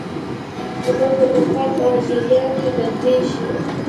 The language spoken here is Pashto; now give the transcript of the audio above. غول د بخار په جریان کې بدلېږي.